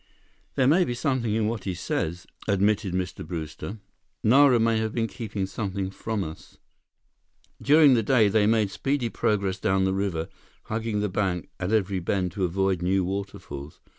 "There may be something in what he says," admitted Mr. Brewster. "Nara may have been keeping something from us." During the day, they made speedy progress down the river, hugging the bank at every bend to avoid new waterfalls.